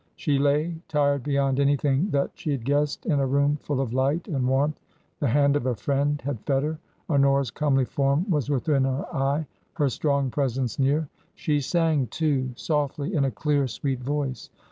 She lay, tired beyond anything that she had guessed, in a room full of light and warmth, the hand of a friend had fed her, Honora's comely form was within her eye, her strong presence near ; she sang, too, softly in a clear, sweet voice.